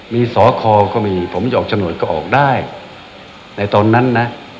มีสอครองก็มีผมอยากจะหน่วยก็ออกได้ในตอนนั้นนะ